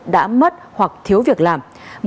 đã mất hoặc thiếu việc làm